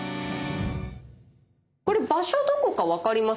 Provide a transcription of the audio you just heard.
これ場所どこか分かりますか？